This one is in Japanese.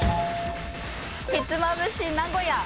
ひつまぶし名古屋。